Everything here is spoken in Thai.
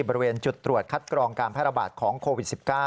บริเวณจุดตรวจคัดกรองการแพร่ระบาดของโควิด๑๙